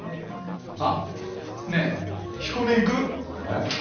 あっねえ彦根行く？え？